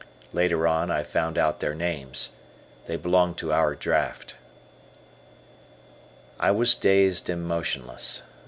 Later on, I found out their names. They belonged to our draft. I was dazed and motionless.